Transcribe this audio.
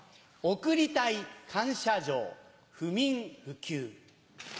贈りたい感謝状、不眠不休。